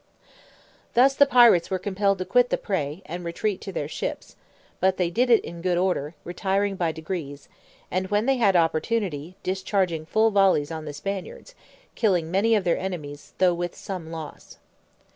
Thus the pirates were compelled to quit the prey, and retreat to their ships; but they did it in good order, retiring by degrees, and when they had opportunity, discharging full volleys on the Spaniards, killing many of their enemies, though with some loss.